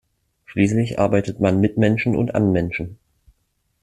Schließlich arbeitet man mit Menschen und an Menschen.